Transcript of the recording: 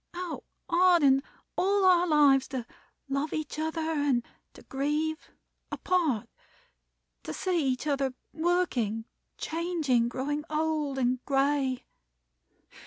How hard in all our lives to love each other; and to grieve, apart, to see each other working, changing, growing old and gray.